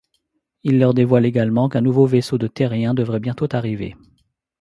Il leur dévoile également qu'un nouveau vaisseau de terriens devrait bientôt arriver.